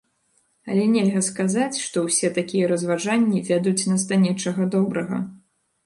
Але нельга сказаць, што ўсе такія разважанні вядуць нас да нечага добрага.